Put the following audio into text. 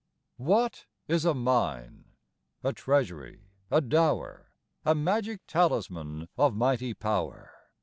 What is a mine a treasury a dower A magic talisman of mighty power?